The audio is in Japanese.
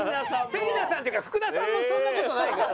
芹那さんっていうか福田さんもそんな事ないから。